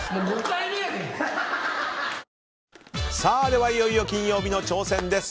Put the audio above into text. ではいよいよ金曜日の挑戦です。